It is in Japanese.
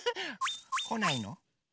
こないの？